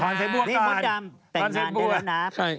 พอร์นเซปบัวการฟันเซปบัว